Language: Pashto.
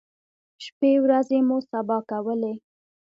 شپی ورځې مو سبا کولې.